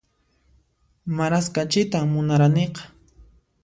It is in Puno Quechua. Maras kachitan munaraniqa